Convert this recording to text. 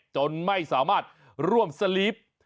จนไม่สามารถร่วมสลิป